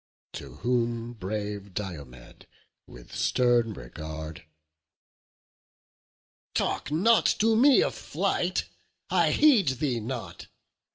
To whom brave Diomed with stern regard: "Talk not to me of flight! I heed thee not!